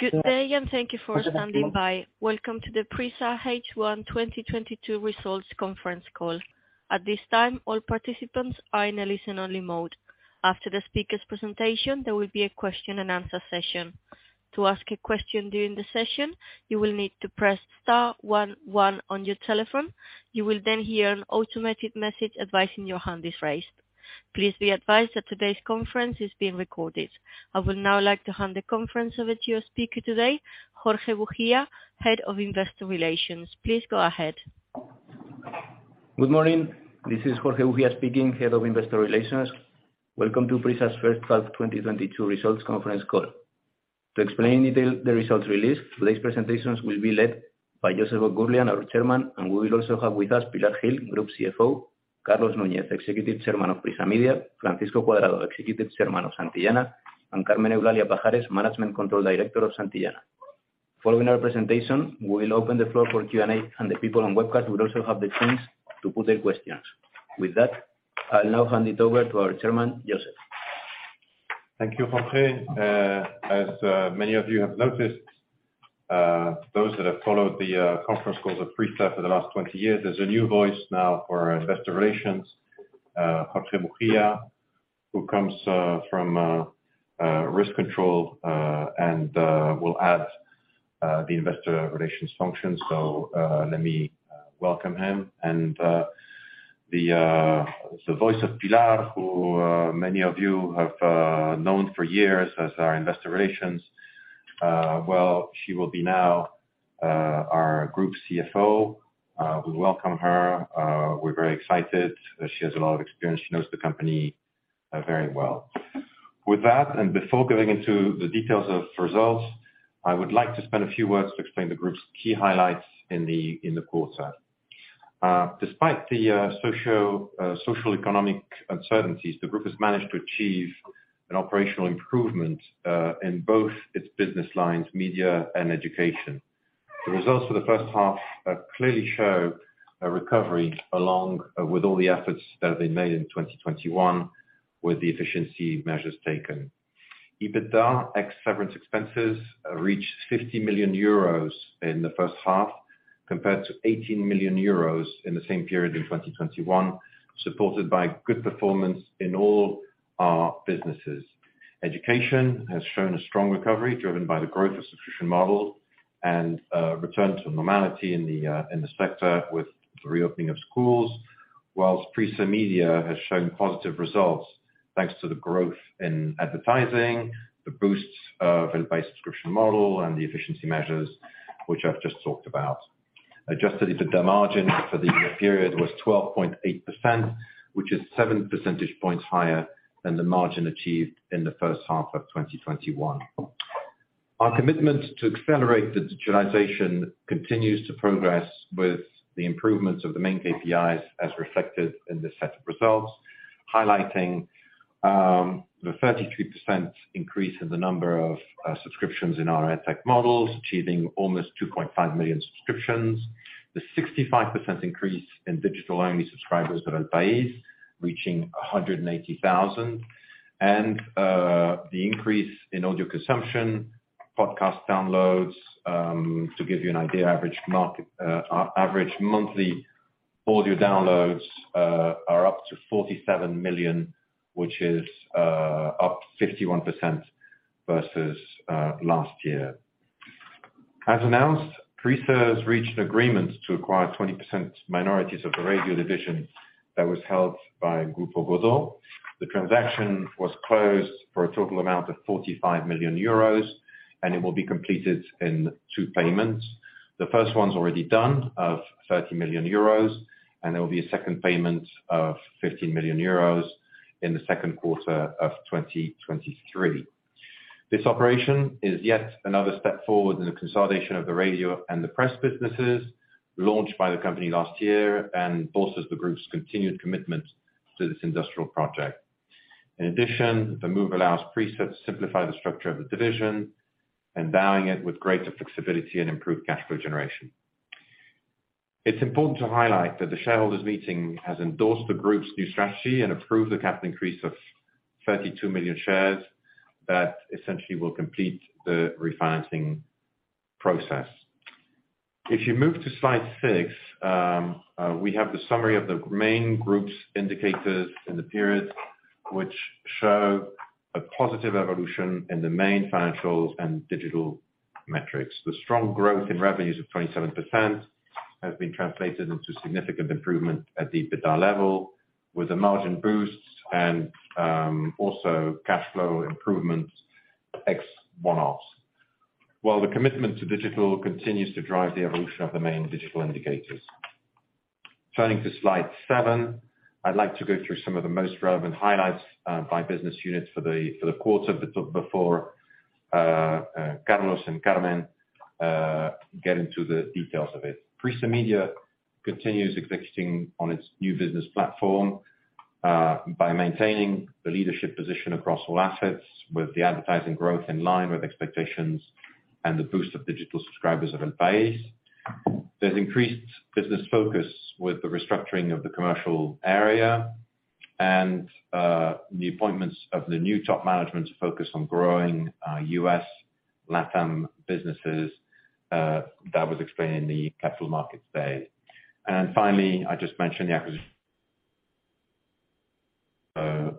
Good day, and thank you for standing by. Welcome to the PRISA H1 2022 results conference call. At this time, all participants are in a listen only mode. After the speaker's presentation, there will be a question and answer session. To ask a question during the session, you will need to press star one one on your telephone. You will then hear an automated message advising your hand is raised. Please be advised that today's conference is being recorded. I would now like to hand the conference over to your speaker today, Jorge Bujía, Head of Investor Relations. Please go ahead. Good morning. This is Jorge Bujía speaking, Head of Investor Relations. Welcome to PRISA's first half 2022 results conference call. To explain in detail the results released, today's presentations will be led by Joseph Oughourlian, our chairman, and we will also have with us Pilar Gil, Group CFO, Carlos Núñez, Executive Chairman of PRISA Media, Francisco Cuadrado, Executive Chairman of Santillana, and Carmen Eulalia Pajares, Management Control Director of Santillana. Following our presentation, we will open the floor for Q&A, and the people on webcast will also have the chance to put their questions. With that, I'll now hand it over to our chairman, Joseph Oughourlian. Thank you, Jorge. As many of you have noticed, those that have followed the conference calls of PRISA for the last 20 years, there's a new voice now for investor relations, Jorge Bujía, who comes from risk control, and will add the investor relations function. Let me welcome him. The voice of Pilar, who many of you have known for years as our investor relations, well, she will be now our group CFO. We welcome her. We're very excited. She has a lot of experience. She knows the company very well. With that, and before going into the details of results, I would like to spend a few words to explain the group's key highlights in the quarter. Despite the socio-economic uncertainties, the group has managed to achieve an operational improvement in both its business lines, media and education. The results for the first half clearly show a recovery along with all the efforts that have been made in 2021 with the efficiency measures taken. EBITDA, ex severance expenses, reached 50 million euros in the first half, compared to 18 million euros in the same period in 2021, supported by good performance in all our businesses. Education has shown a strong recovery, driven by the growth of subscription models and return to normality in the sector with the reopening of schools. While PRISA Media has shown positive results, thanks to the growth in advertising, the boost of El País subscription model and the efficiency measures, which I've just talked about. Adjusted EBITDA margin for the year period was 12.8%, which is seven percentage points higher than the margin achieved in the first half of 2021. Our commitment to accelerate the digitalization continues to progress with the improvements of the main KPIs as reflected in this set of results, highlighting the 32% increase in the number of subscriptions in our EdTech models, achieving almost 2.5 million subscriptions. The 65% increase in digital-only subscribers for El País, reaching 180,000. The increase in audio consumption, podcast downloads. To give you an idea, average monthly audio downloads are up to 47 million, which is up 51% versus last year. As announced, PRISA has reached an agreement to acquire 20% minorities of the radio division that was held by Grupo Godó. The transaction was closed for a total amount of 45 million euros, and it will be completed in two payments. The first one's already done, of 30 million euros, and there will be a second payment of 15 million euros in the second quarter of 2023. This operation is yet another step forward in the consolidation of the radio and the press businesses launched by the company last year, and bolsters the group's continued commitment to this industrial project. In addition, the move allows PRISA to simplify the structure of the division, endowing it with greater flexibility and improved cash flow generation. It's important to highlight that the shareholders' meeting has endorsed the group's new strategy and approved the capital increase of 32 million shares that essentially will complete the refinancing process. If you move to slide six, we have the summary of the main group's indicators in the period, which show a positive evolution in the main financials and digital metrics. The strong growth in revenues of 27% has been translated into significant improvement at the EBITDA level, with the margin boosts and also cash flow improvements, ex one-offs. While the commitment to digital continues to drive the evolution of the main digital indicators. Turning to slide seven, I'd like to go through some of the most relevant highlights by business units for the quarter before Carlos and Carmen get into the details of it. PRISA Media continues executing on its new business platform by maintaining the leadership position across all assets with the advertising growth in line with expectations and the boost of digital subscribers of EL PAÍS. There's increased business focus with the restructuring of the commercial area and the appointments of the new top management's focus on growing U.S. Latin businesses that was explained in the Capital Markets Day. Finally, I just mentioned the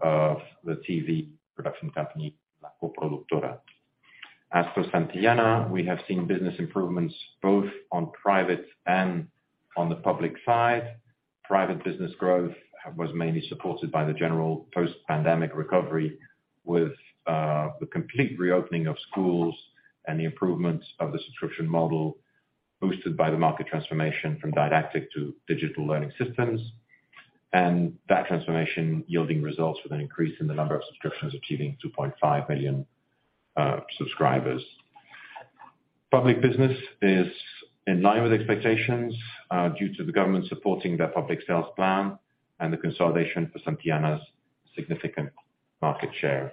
of the TV production company, LACOproductora. As for Santillana, we have seen business improvements both on private and on the public side. Private business growth was mainly supported by the general post-pandemic recovery with the complete reopening of schools and the improvements of the subscription model, boosted by the market transformation from didactic to digital learning systems. That transformation yielding results with an increase in the number of subscriptions, achieving 2.5 million subscribers. Public business is in line with expectations, due to the government supporting their public sales plan and the consolidation for Santillana's significant market share.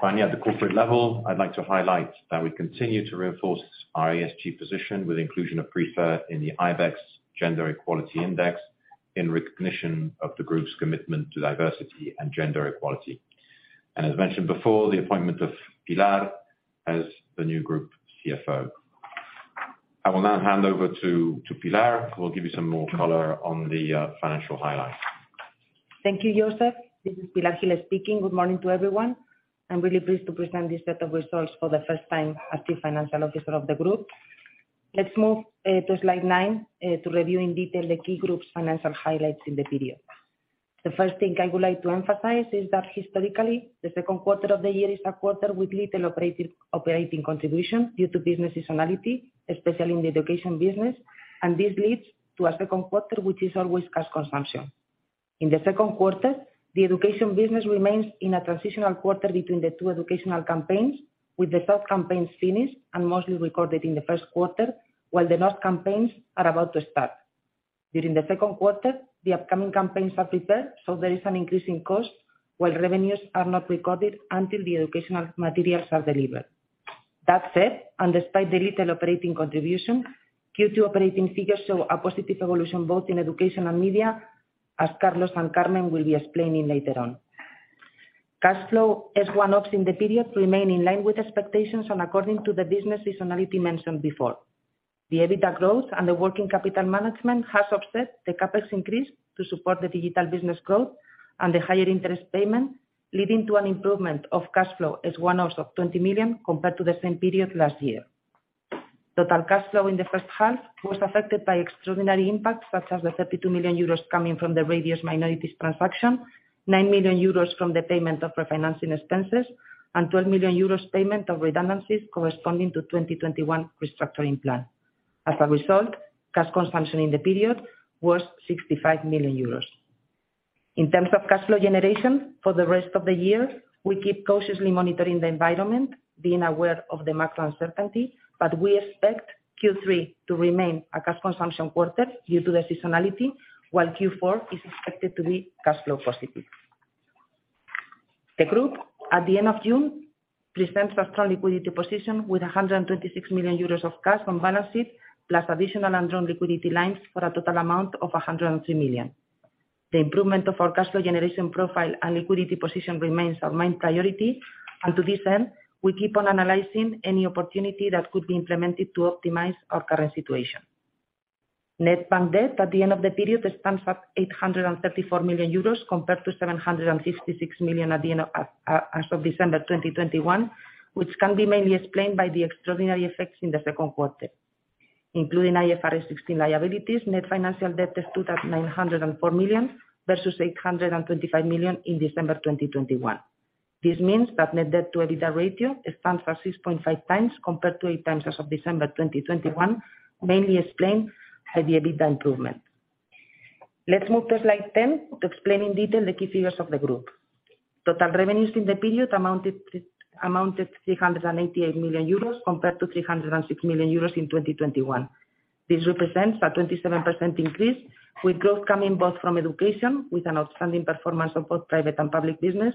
Finally, at the corporate level, I'd like to highlight that we continue to reinforce our ESG position with inclusion of PRISA in the IBEX Gender Equality Index in recognition of the group's commitment to diversity and gender equality. As mentioned before, the appointment of Pilar as the new group CFO. I will now hand over to Pilar, who will give you some more color on the financial highlights. Thank you, Joseph. This is Pilar Gil speaking. Good morning to everyone. I'm really pleased to present this set of results for the first time as the financial officer of the group. Let's move to slide nine to review in detail the key group's financial highlights in the period. The first thing I would like to emphasize is that historically, the second quarter of the year is a quarter with little operating contribution due to business seasonality, especially in the education business, and this leads to a second quarter which is always cash consumption. In the second quarter, the education business remains in a transitional quarter between the two educational campaigns, with the first campaigns finished and mostly recorded in the first quarter, while the last campaigns are about to start. During the second quarter, the upcoming campaigns are prepared, so there is an increase in cost, while revenues are not recorded until the educational materials are delivered. That said, despite the little operating contribution, Q2 operating figures show a positive evolution, both in education and media, as Carlos and Carmen will be explaining later on. Cash flow from ops in the period remain in line with expectations and according to the business seasonality mentioned before. The EBITDA growth and the working capital management has offset the CapEx increase to support the digital business growth and the higher interest payment, leading to an improvement of cash flow from ops of 20 million compared to the same period last year. Total cash flow in the first half was affected by extraordinary impacts, such as the 32 million euros coming from the Radio's minorities transaction, 9 million euros from the payment of refinancing expenses, and 12 million euros payment of redundancies corresponding to 2021 restructuring plan. As a result, cash consumption in the period was 65 million euros. In terms of cash flow generation for the rest of the year, we keep cautiously monitoring the environment, being aware of the macro uncertainty, but we expect Q3 to remain a cash consumption quarter due to the seasonality, while Q4 is expected to be cash flow positive. The group at the end of June presents a strong liquidity position with 126 million euros of cash on balance sheet, plus additional undrawn liquidity lines for a total amount of 103 million. The improvement of our cash flow generation profile and liquidity position remains our main priority. To this end, we keep on analyzing any opportunity that could be implemented to optimize our current situation. Net bank debt at the end of the period stands at 834 million euros compared to 756 million as of December 2021, which can be mainly explained by the extraordinary effects in the second quarter. Including IFRS 16 liabilities, net financial debt stood at 904 million versus 825 million in December 2021. This means that net debt to EBITDA ratio stands for 6.5xcompared to 8x as of December 2021, mainly explained by the EBITDA improvement. Let's move to slide 10 to explain in detail the key figures of the group. Total revenues in the period amounted 388 million euros compared to 306 million euros in 2021. This represents a 27% increase with growth coming both from education, with an outstanding performance of both private and public business,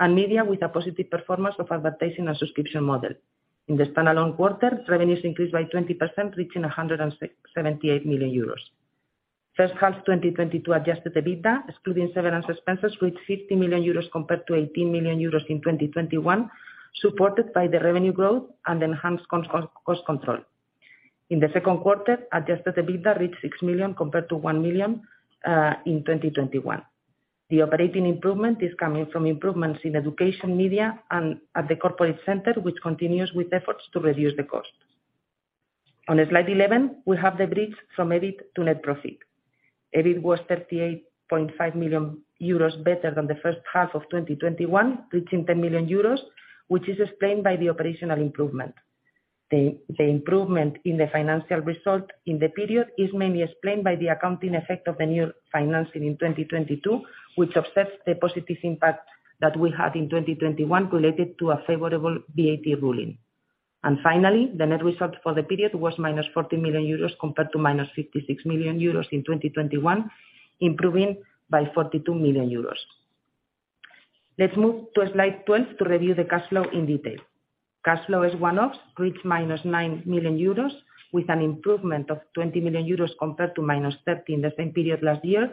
and media with a positive performance of advertising and subscription model. In the standalone quarter, revenues increased by 20%, reaching 178 million euros. First half 2022 adjusted EBITDA, excluding severance expenses, reached 50 million euros compared to 18 million euros in 2021, supported by the revenue growth and enhanced cost control. In the second quarter, adjusted EBITDA reached 6 million compared to 1 million in 2021. The operating improvement is coming from improvements in education, media and at the corporate center, which continues with efforts to reduce the costs. On slide 11, we have the bridge from EBIT to net profit. EBIT was 38.5 million euros, better than the first half of 2021, reaching 10 million euros, which is explained by the operational improvement. The improvement in the financial result in the period is mainly explained by the accounting effect of the new financing in 2022, which offsets the positive impact that we had in 2021 related to a favorable VAT ruling. Finally, the net result for the period was -14 million euros compared to -56 million euros in 2021, improving by 42 million euros. Let's move to slide 12 to review the cash flow in detail. Cash flow as one-offs reached -9 million euros, with an improvement of 20 million euros compared to -30 million in the same period last year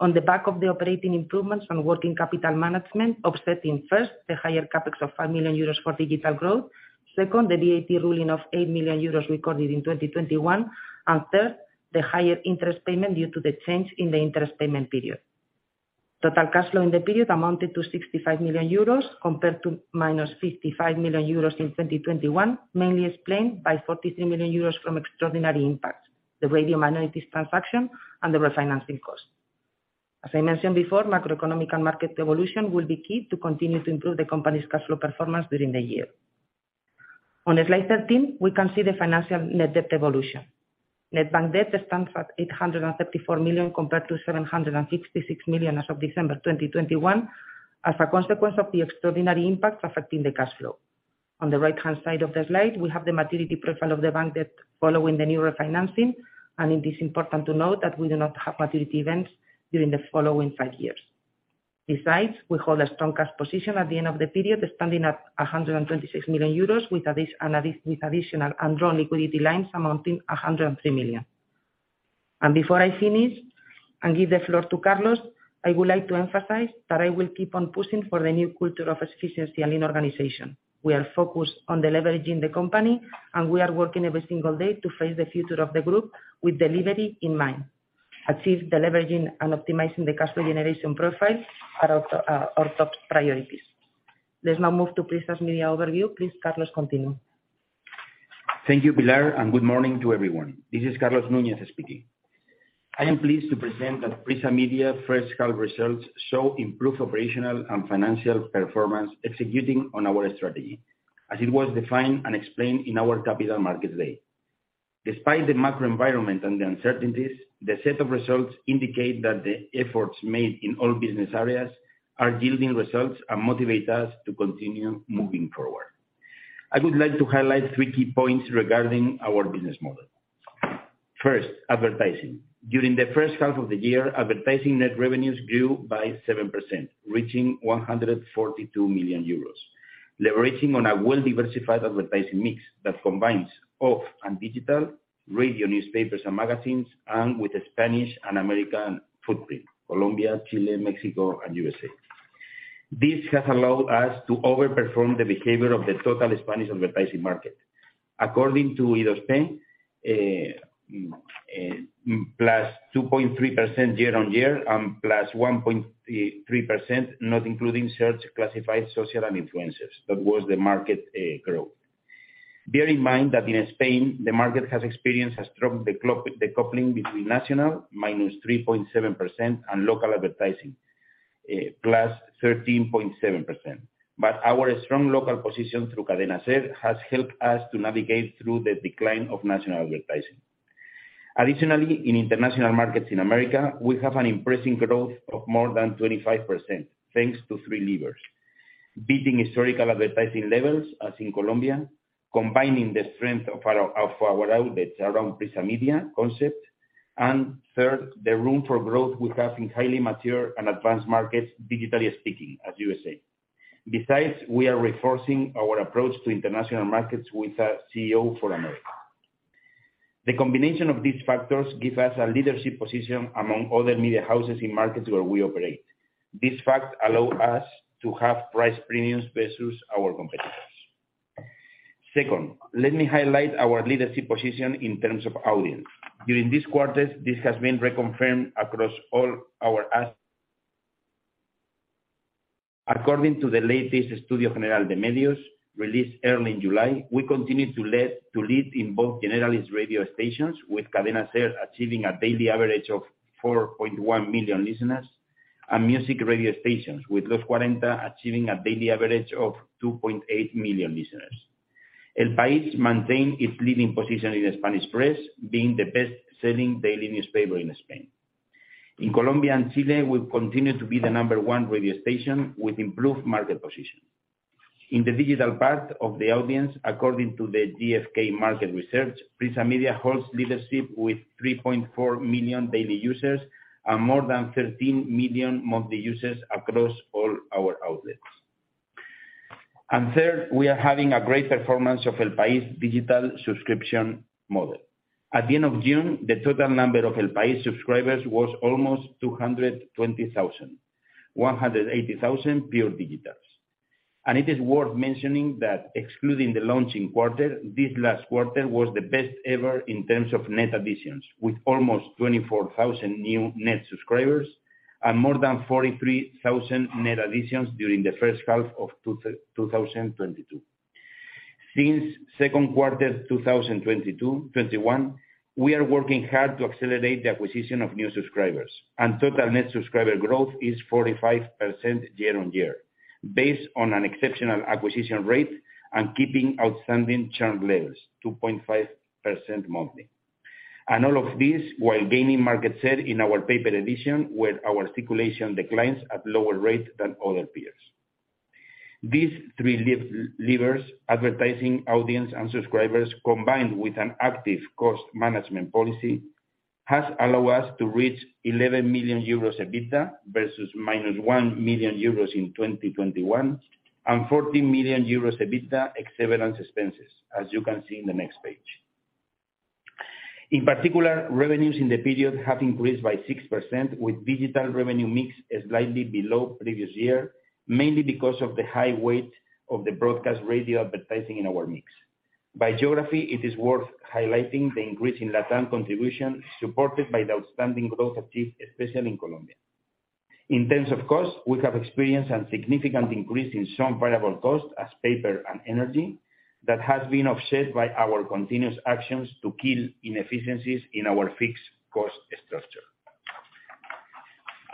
on the back of the operating improvements on working capital management, offsetting, first, the higher CapEx of 5 million euros for digital growth. Second, the VAT ruling of 8 million euros recorded in 2021, and third, the higher interest payment due to the change in the interest payment period. Total cash flow in the period amounted to 65 million euros compared to -55 million euros in 2021, mainly explained by 43 million euros from extraordinary impact, the Radio's minorities transaction, and the refinancing cost. As I mentioned before, macroeconomic and market evolution will be key to continue to improve the company's cash flow performance during the year. On slide 13, we can see the financial net debt evolution. Net bank debt stands at 834 million compared to 766 million as of December 2021, as a consequence of the extraordinary impact affecting the cash flow. On the right-hand side of the slide, we have the maturity profile of the bank debt following the new refinancing, and it is important to note that we do not have maturity events during the following five years. Besides, we hold a strong cash position at the end of the period, standing at 126 million euros, with additional undrawn liquidity lines amounting to 103 million. Before I finish and give the floor to Carlos, I would like to emphasize that I will keep on pushing for the new culture of efficiency and lean organization. We are focused on deleveraging the company, and we are working every single day to face the future of the group with delivery in mind. Achieve deleveraging and optimizing the cash flow generation profile are our top priorities. Let's now move to PRISA Media overview. Please, Carlos, continue. Thank you, Pilar, and good morning to everyone. This is Carlos Núñez speaking. I am pleased to present that PRISA Media first half results show improved operational and financial performance executing on our strategy, as it was defined and explained in our Capital Markets Day. Despite the macro environment and the uncertainties, the set of results indicate that the efforts made in all business areas are yielding results and motivate us to continue moving forward. I would like to highlight three key points regarding our business model. First, advertising. During the first half of the year, advertising net revenues grew by 7%, reaching 142 million euros. Leveraging on a well-diversified advertising mix that combines offline and digital, radio, newspapers, and magazines, and with a Spanish and American footprint, Colombia, Chile, Mexico, and USA. This has allowed us to overperform the behavior of the total Spanish advertising market. According to [eMarketer], +2.3% year-on-year and +1.3%, not including search, classified, social, and influencers. That was the market growth. Bear in mind that in Spain, the market has experienced a strong decoupling between national, -3.7%, and local advertising, +13.7%. Our strong local position through Cadena SER has helped us to navigate through the decline of national advertising. Additionally, in international markets in America, we have an impressive growth of more than 25%, thanks to three levers, beating historical advertising levels, as in Colombia, combining the strength of our outlets around PRISA Media concept, and third, the room for growth we have in highly mature and advanced markets, digitally speaking, as USA. Besides, we are reinforcing our approach to international markets with a CEO for America. The combination of these factors give us a leadership position among other media houses in markets where we operate. This fact allow us to have price premiums versus our competitors. Second, let me highlight our leadership position in terms of audience. During this quarter, this has been reconfirmed. According to the latest Estudio General de Medios, released early in July, we continue to lead in both generalist radio stations, with Cadena SER achieving a daily average of 4.1 million listeners, and music radio stations, with LOS40 achieving a daily average of 2.8 million listeners. El País maintain its leading position in the Spanish press, being the best-selling daily newspaper in Spain. In Colombia and Chile, we continue to be the number one radio station with improved market position. In the digital part of the audience, according to the GfK market research, PRISA Media holds leadership with 3.4 million daily users and more than 13 million monthly users across all our outlets. Third, we are having a great performance of EL PAÍS digital subscription model. At the end of June, the total number of EL PAÍS subscribers was almost 220,000, 180,000 pure digitals. It is worth mentioning that excluding the launching quarter, this last quarter was the best ever in terms of net additions, with almost 24,000 new net subscribers and more than 43,000 net additions during the first half of 2022. Since second quarter 2021, we are working hard to accelerate the acquisition of new subscribers, and total net subscriber growth is 45% year-on-year, based on an exceptional acquisition rate and keeping outstanding churn levels, 2.5% monthly. All of this while gaining market share in our paper edition, where our circulation declines at lower rates than other peers. These three levers, advertising, audience, and subscribers, combined with an active cost management policy, has allow us to reach 11 million euros EBITDA versus -1 million euros in 2021, and 40 million euros EBITDA severance expenses, as you can see in the next page. In particular, revenues in the period have increased by 6% with digital revenue mix slightly below previous year, mainly because of the high weight of the broadcast radio advertising in our mix. By geography, it is worth highlighting the increase in LatAm contribution, supported by the outstanding growth achieved, especially in Colombia. In terms of cost, we have experienced a significant increase in some variable costs, as paper and energy, that has been offset by our continuous actions to kill inefficiencies in our fixed cost structure.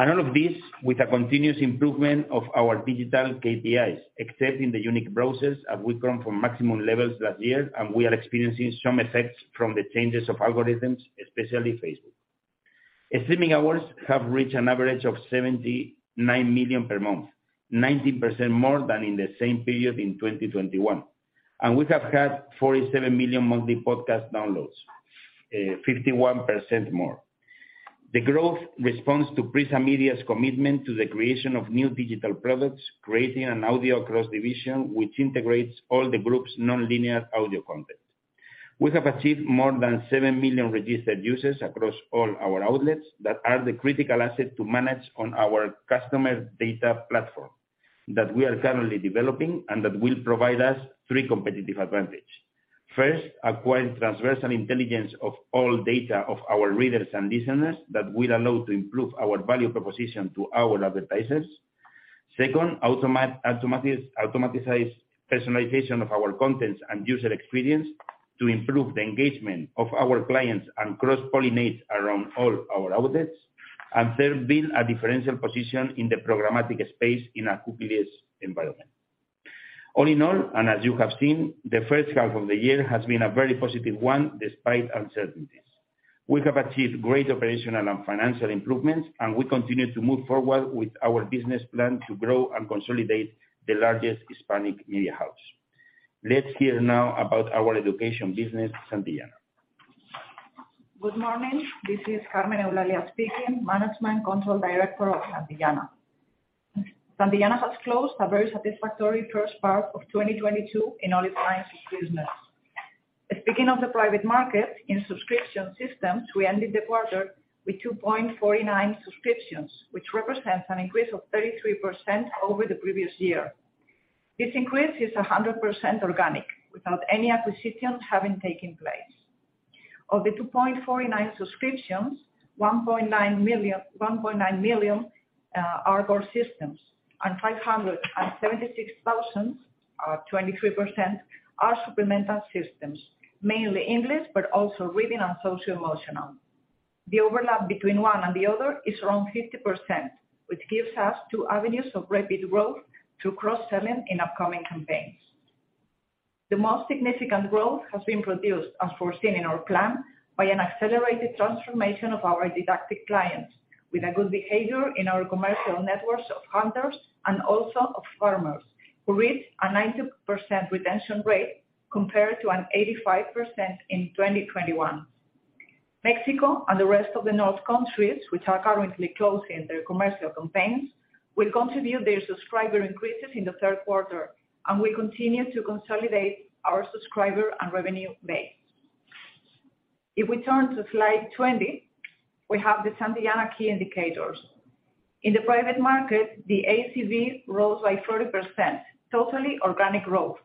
All of this with a continuous improvement of our digital KPIs, except in the unique process, as we come from maximum levels last year, and we are experiencing some effects from the changes of algorithms, especially Facebook. Streaming hours have reached an average of 79 million per month, 19% more than in the same period in 2021. We have had 47 million monthly podcast downloads, 51% more. The growth responds to PRISA Media's commitment to the creation of new digital products, creating an audio cross division which integrates all the group's nonlinear audio content. We have achieved more than 7 million registered users across all our outlets that are the critical asset to manage on our customer data platform that we are currently developing, and that will provide us three competitive advantages. First, acquire transversal intelligence of all data of our readers and listeners that will allow to improve our value proposition to our advertisers. Second, automaticized personalization of our contents and user experience to improve the engagement of our clients and cross-pollinate around all our outlets. Third, build a differential position in the programmatic space in a cookie-less environment. All in all, as you have seen, the first half of the year has been a very positive one despite uncertainties. We have achieved great operational and financial improvements, and we continue to move forward with our business plan to grow and consolidate the largest Hispanic media house. Let's hear now about our education business, Santillana. Good morning. This is Carmen Eulalia Pajares speaking, Management Control Director of Santillana. Santillana has closed a very satisfactory first part of 2022 in all its lines of business. Speaking of the private market, in subscription systems, we ended the quarter with 2.49 million subscriptions, which represents an increase of 33% over the previous year. This increase is 100% organic, without any acquisitions having taken place. Of the 2.49 million subscriptions, 1.9 million are core systems, and 576,000, or 23%, are supplemental systems, mainly English, but also reading and socio-emotional. The overlap between one and the other is around 50%, which gives us two avenues of rapid growth through cross-selling in upcoming campaigns. The most significant growth has been produced, as foreseen in our plan, by an accelerated transformation of our didactic clients, with a good behavior in our commercial networks of hunters and also of farmers, who reached a 90% retention rate compared to an 85% in 2021. Mexico and the rest of the North countries, which are currently closing their commercial campaigns, will continue their subscriber increases in the third quarter, and will continue to consolidate our subscriber and revenue base. If we turn to slide 20, we have the Santillana key indicators. In the private market, the ACV rose by 30%, totally organic growth,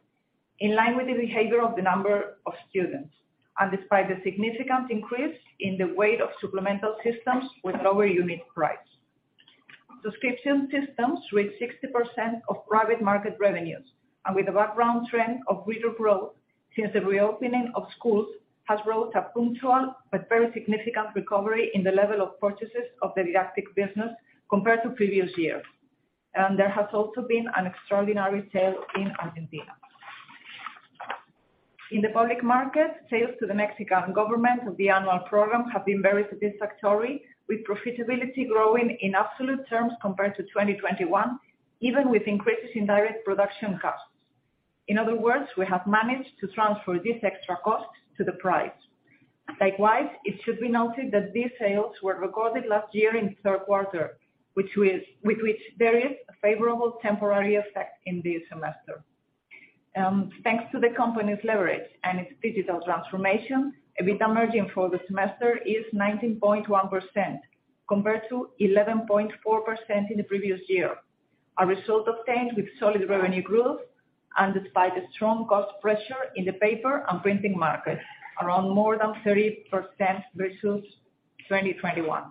in line with the behavior of the number of students, and despite the significant increase in the weight of supplemental systems with lower unique price. Subscription systems reached 60% of private market revenues, and with the background trend of reader growth since the reopening of schools, has brought a punctual but very significant recovery in the level of purchases of the didactic business compared to previous years. There has also been an extraordinary sale in Argentina. In the public market, sales to the Mexican government of the annual program have been very satisfactory, with profitability growing in absolute terms compared to 2021, even with increases in direct production costs. In other words, we have managed to transfer this extra cost to the price. Likewise, it should be noted that these sales were recorded last year in third quarter, with which there is a favorable temporary effect in this semester. Thanks to the company's leverage and its digital transformation, EBITDA margin for the semester is 19.1% compared to 11.4% in the previous year, a result obtained with solid revenue growth and despite the strong cost pressure in the paper and printing markets, around more than 30% versus 2021.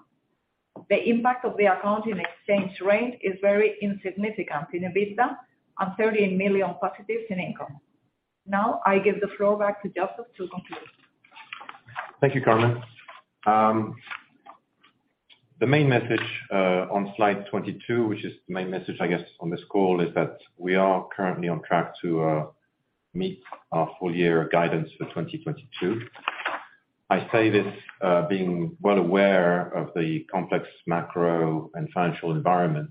The impact of the accounting exchange rate is very insignificant in EBITDA, and 13 million positives in income. Now, I give the floor back to Joseph to conclude. Thank you, Carmen. The main message on slide 22, which is the main message, I guess, on this call, is that we are currently on track to meet our full year guidance for 2022. I say this, being well aware of the complex macro and financial environment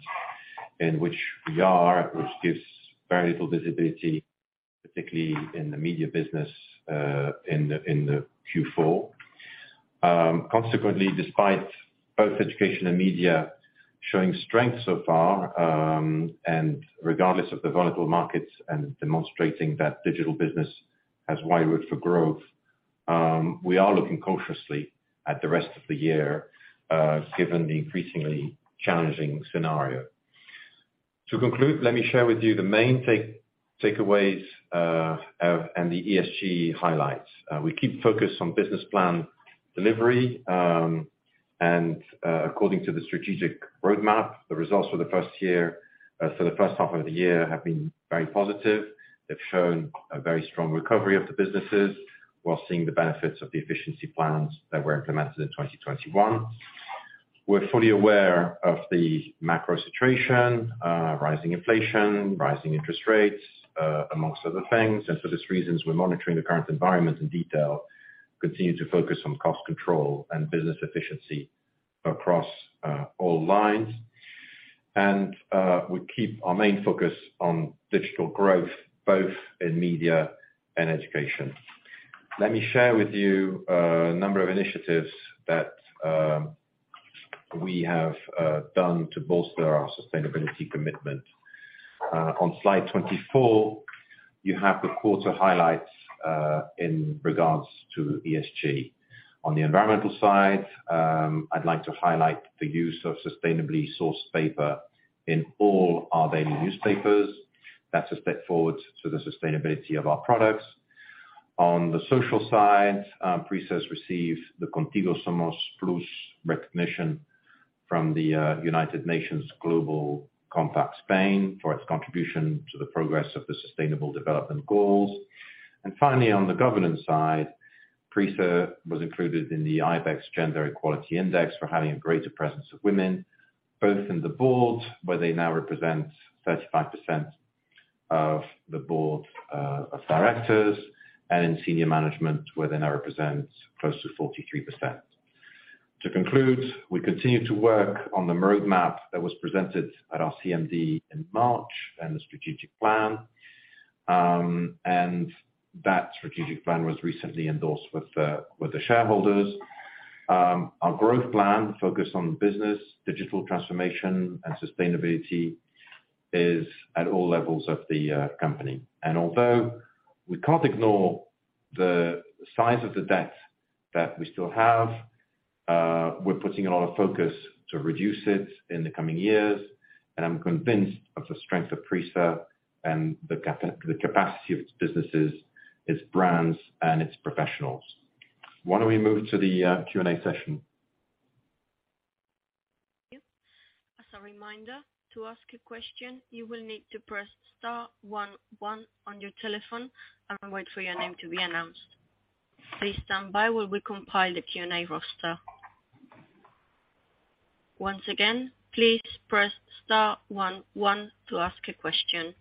in which we are, which gives very little visibility, particularly in the media business, in the Q4. Consequently, despite both education and media showing strength so far, and regardless of the volatile markets and demonstrating that digital business has wide width for growth, we are looking cautiously at the rest of the year, given the increasingly challenging scenario. To conclude, let me share with you the main takeaways and the ESG highlights. We keep focused on business plan delivery, and, according to the strategic roadmap, the results for the first year, for the first half of the year have been very positive. They've shown a very strong recovery of the businesses while seeing the benefits of the efficiency plans that were implemented in 2021. We're fully aware of the macro situation, rising inflation, rising interest rates, among other things. For these reasons, we're monitoring the current environment in detail, continue to focus on cost control and business efficiency across all lines. We keep our main focus on digital growth, both in media and education. Let me share with you a number of initiatives that we have done to bolster our sustainability commitment. On slide 24, you have the quarter highlights in regards to ESG. On the environmental side, I'd like to highlight the use of sustainably sourced paper in all our daily newspapers. That's a step forward to the sustainability of our products. On the social side, PRISA's received the Contigo Somos+ recognition from the United Nations Global Compact Spain for its contribution to the progress of the Sustainable Development Goals. Finally, on the governance side, PRISA was included in the IBEX Gender Equality Index for having a greater presence of women, both in the board, where they now represent 35% of the Board of Directors, and in senior management, where they now represent close to 43%. To conclude, we continue to work on the roadmap that was presented at our CMD in March and the strategic plan. That strategic plan was recently endorsed with the shareholders. Our growth plan focused on business, digital transformation and sustainability is at all levels of the company. Although we can't ignore the size of the debt that we still have, we're putting a lot of focus to reduce it in the coming years. I'm convinced of the strength of PRISA and the capacity of its businesses, its brands and its professionals. Why don't we move to the Q&A session? Thank you. As a reminder, to ask a question, you will need to press star one one on your telephone and wait for your name to be announced. Please stand by while we compile the Q&A roster. Once again, please press star one one to ask a question.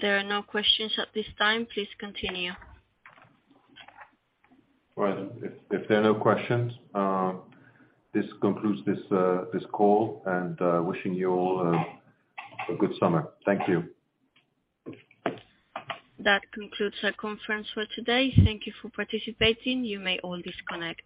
There are no questions at this time. Please continue. Well, if there are no questions, this concludes this call and wishing you all a good summer. Thank you. That concludes our conference for today. Thank you for participating. You may all disconnect.